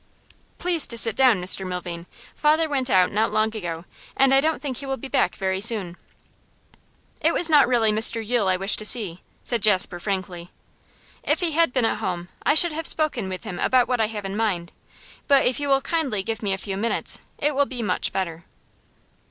'Please to sit down, Mr Milvain. Father went out not long ago, and I don't think he will be back very soon.' 'It was not really Mr Yule I wished to see,' said Jasper, frankly. 'If he had been at home I should have spoken with him about what I have in mind, but if you will kindly give me a few minutes it will be much better.